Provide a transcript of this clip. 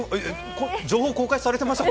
情報公開されてました？